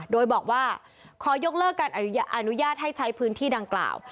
โดยบอกว่าขอยกเลิกการอนุญาตให้ใช้พื้นที่ดังกล่าว